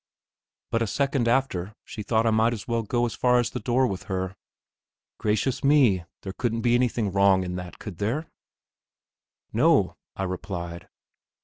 But a second after she thought I might as well go as far as the door with her. Gracious me, there couldn't be anything wrong in that, could there? "No," I replied.